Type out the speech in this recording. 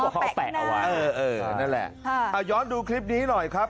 อ๋อแปะหน้าอ๋อแปะหน้าเออนั่นแหละอ่ะย้อนดูคลิปนี้หน่อยครับ